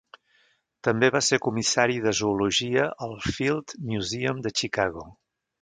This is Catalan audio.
També va ser comissari de zoologia al Field Museum de Chicago.